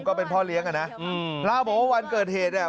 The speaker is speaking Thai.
ก็เป็นพ่อเลี้ยงอ่ะนะอืมเล่าบอกว่าวันเกิดเหตุเนี่ย